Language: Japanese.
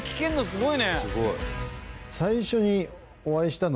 すごい。